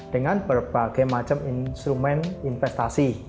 dengan berbagai macam instrumen investasi